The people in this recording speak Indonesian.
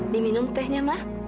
diminum tehnya ma